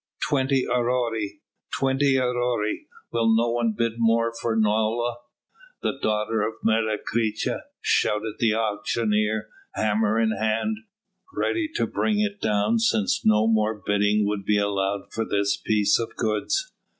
"Twenty aurei! twenty aurei! will no one bid more for Nola, the daughter of Menecreta," shouted the auctioneer, hammer in hand, ready to bring it down since no more bidding would be allowed for this piece of goods.